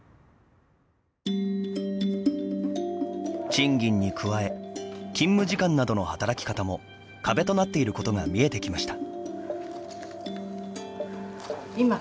賃金に加え勤務時間などの働き方も壁となっていることが見えてきました。